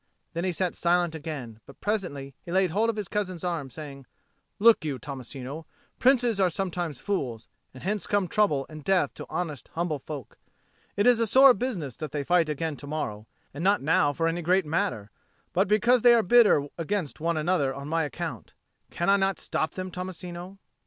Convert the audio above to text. Then he sat silent again; but presently he laid hold of his cousin's arm, saying, "Look you, Tommasino, princes are sometimes fools; and hence come trouble and death to honest humble folk. It is a sore business that they fight again to morrow, and not now for any great matter, but because they are bitter against one another on my account. Cannot I stop them, Tommasino?"